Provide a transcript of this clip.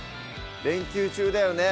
連休中だよね